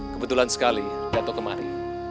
kebetulan sekali dato kemari